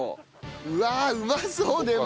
うわうまそうでも。